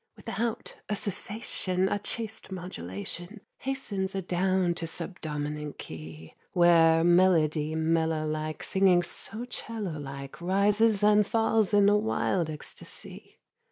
Without a cessation A chaste modulation Hastens adown to subdominant key, Where melody mellow like Singing so 'cello like Rises and falls in a wild ecstasy.